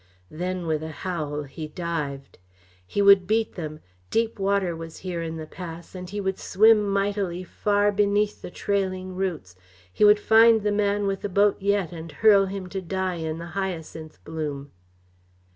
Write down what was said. Then, with a howl, he dived. He would beat them deep water was here in the pass, and he would swim mightily far beneath the trailing roots he would find the man with the boat yet and hurl him to die in the hyacinth bloom.